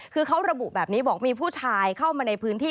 คือเขาระบุแบบนี้บอกมีผู้ชายเข้ามาในพื้นที่